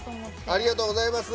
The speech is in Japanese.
ありがとうございます。